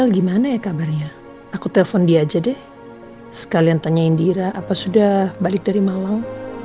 hai misal gimana ya kabarnya aku telepon dia aja deh sekalian tanya indira apa sudah balik dari malam